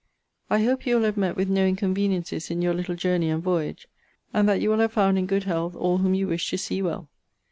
I hope you will have met with no inconveniencies in your little journey and voyage; and that you will have found in good health all whom you wish to see well.